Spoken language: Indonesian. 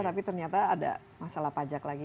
tapi ternyata ada masalah pajak lagi